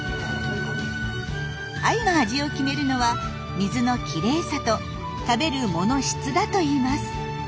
アユの味を決めるのは水のきれいさと食べる藻の質だといいます。